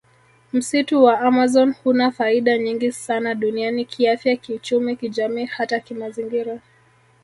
Msitu wa amazon huna faida nyingi sana duniani kiafya kiuchumi kijamii hata kimazingira